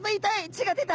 血が出た。